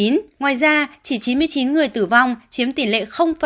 ngoài ra chỉ chín mươi chín người tử vong chiếm tỉ lệ ba